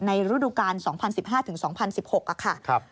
ในรูดุการณ์๒๐๑๕๒๐๑๖ค่ะ